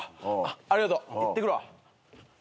ありがとう行ってくるわ。